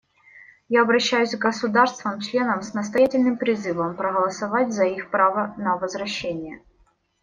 Я обращаюсь к государствам-членам с настоятельным призывом проголосовать за их право на возвращение.